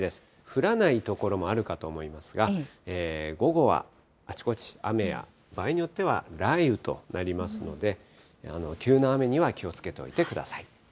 降らない所もあるかと思いますが、午後はあちこち、雨や場合によっては雷雨となりますので、急な雨には気をつけておいてください。